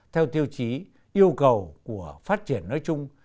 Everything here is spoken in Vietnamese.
theo tiêu chí yêu cầu của phát triển nói chung